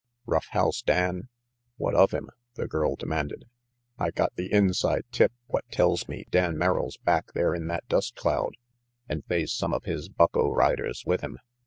Rough House Dan?" "What of him?" the girl demanded. "I got the inside tip what tells me Dan Merrill's back there in that dust cloud, and they's some of 36 RANGY PETE his bucko riders with him.